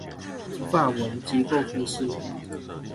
法文結構分析